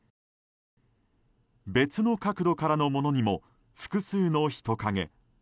別の角度からのものにも複数の人影。